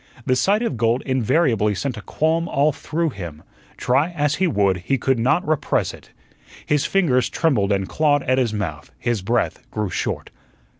The sight of gold invariably sent a qualm all through him; try as he would, he could not repress it. His fingers trembled and clawed at his mouth; his breath grew short.